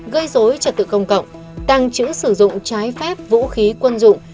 gây dối trật tự công cộng tăng chữ sử dụng trái phép vũ khí quân dụng